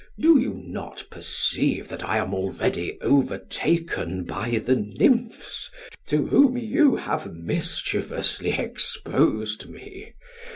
Do you not perceive that I am already overtaken by the Nymphs to whom you have mischievously exposed me?